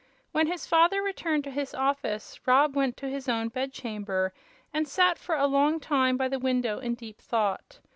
When his father returned to his office Rob went to his own bed chamber and sat for a long time by the window in deep thought.